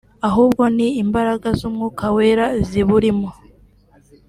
ahubwo ni imbaraga z’Umwuka Wera ziburimo